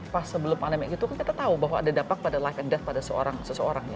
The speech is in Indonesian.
pas sebelum pandemi gitu kan kita tahu bahwa ada dampak pada life and deve pada seseorang ya